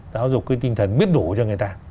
giáo dục cái tinh thần biết đủ cho người ta